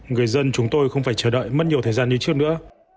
người dân chúng tôi không phải chờ đợi mất nhiều thời gian như trước nữa